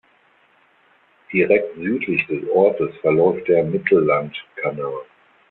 Direkt südlich des Ortes verläuft der Mittellandkanal.